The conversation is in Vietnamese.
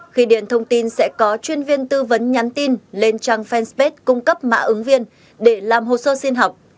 khi điện thông tin sẽ có chuyên viên tư vấn nhắn tin lên trang fanpage cung cấp mã ứng viên để làm hồ sơ xin học